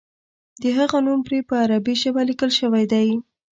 د هغه نوم پرې په عربي ژبه لیکل شوی دی.